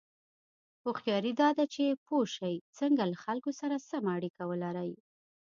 هوښیاري دا ده چې پوه شې څنګه له خلکو سره سمه اړیکه ولرې.